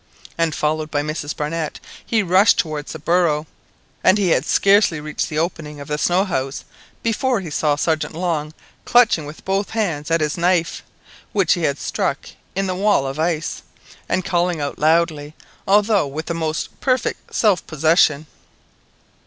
And followed by Mrs Barnett, he rushed towards the burrow, and he had scarcely reached the opening of the snow house before he saw Sergeant Long clutching with both hands at his knife, which he had stuck in the wall of ice, and calling out loudly, although with the most perfect self possession.